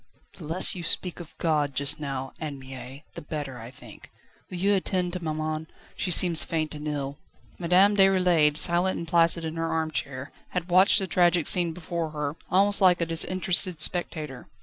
"The less you speak of God just now, Anne Mie, the better, I think. Will you attend to maman? she seems faint and ill." Madame Déroulède, silent and placid in her arm chair, had watched the tragic scene before her, almost like a disinterested spectator.